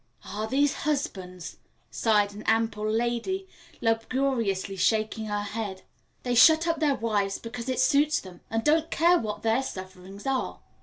"Ah, these husbands!" sighed an ample lady, lugubriously shaking her head; "they shut up their wives because it suits them, and don't care what their sufferings are."